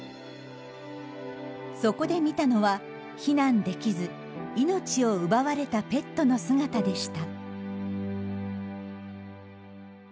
そこで見たのは避難できず命を奪われたペットの姿でした。